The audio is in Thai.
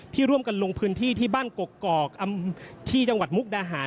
ที่ร่วมกันลงพื้นที่ที่บ้านกกอกที่จังหวัดมุกดาหาร